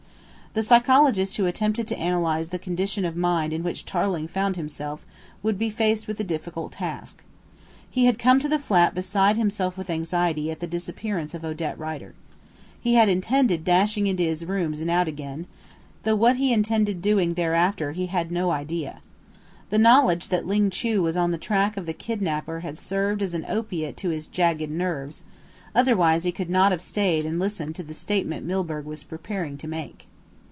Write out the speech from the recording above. The psychologist who attempted to analyse the condition of mind in which Tarling found himself would be faced with a difficult task. He had come to the flat beside himself with anxiety at the disappearance of Odette Rider. He had intended dashing into his rooms and out again, though what he intended doing thereafter he had no idea. The knowledge that Ling Chu was on the track of the kidnapper had served as an opiate to his jagged nerves; otherwise he could not have stayed and listened to the statement Milburgh was preparing to make.